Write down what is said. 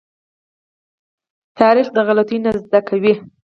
تاریخ د غلطيو نه زده کوي.